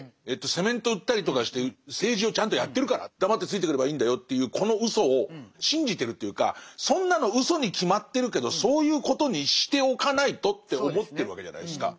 セメント売ったりとかして政治をちゃんとやってるから黙ってついてくればいいんだよっていうこのうそを信じてるというかそんなのうそに決まってるけどそういうことにしておかないとって思ってるわけじゃないですか。